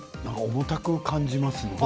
重たく感じますね。